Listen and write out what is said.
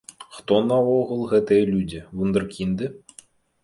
Хто наогул гэтыя людзі, вундэркінды?